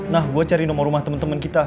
nah gue cari nomor rumah temen temen kita